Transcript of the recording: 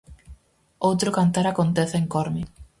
Outro cantar acontece en Corme.